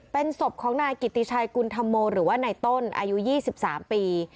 เป็นศพของนายกิติชัยกุณฑรโมหรือว่านายต้นอายุ๒๓ปี